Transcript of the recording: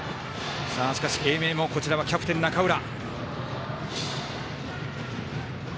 しかし、英明もキャプテンの中浦。